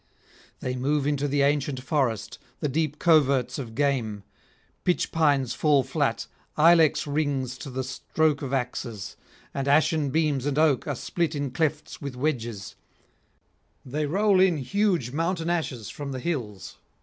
They move into the ancient forest, the deep coverts of game; pitch pines fall flat, ilex rings to the stroke of axes, and ashen beams and oak are split in clefts with wedges; they roll in huge mountain ashes from the hills.